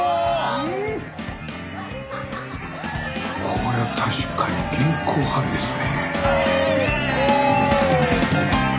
これは確かに現行犯ですね。